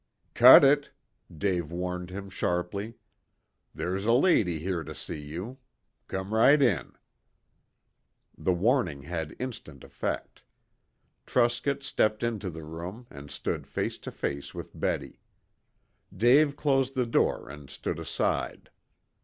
"Cut it!" Dave warned him sharply. "There's a lady here to see you. Come right in." The warning had instant effect. Truscott stepped into the room and stood face to face with Betty. Dave closed the door and stood aside.